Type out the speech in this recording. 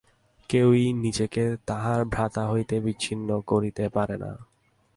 কেহই নিজেকে তাহার ভ্রাতা হইতে বিচ্ছিন্ন করিতে পারে না।